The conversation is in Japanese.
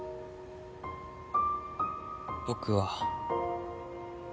僕は。